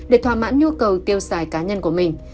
để thỏa mãn nhu cầu tiêu xài cá nhân của mình